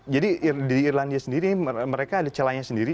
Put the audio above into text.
jadi di irlandia sendiri mereka ada celahnya sendiri